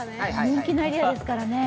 人気のエリアですからね。